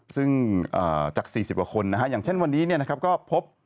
ซึ่งจาก๔๐กว่าคนอย่างเช่นวันนี้ก็พบ